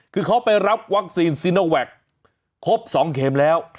คือเขาไปรับวัคซีนซีโนแวคครบ๒เข็มแล้ว